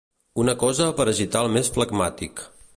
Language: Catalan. Una cosa per agitar el més flegmàtic.